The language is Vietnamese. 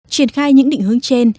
triển khai những định hướng trên